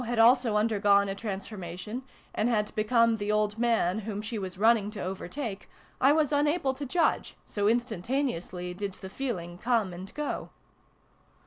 93 had also undergone a transformation, and had become the old man whom she was running to overtake, I was unable to judge, so instan taneously did the feeling come and go.